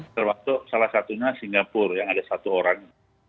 termasuk salah satunya singapura yang ada satu orang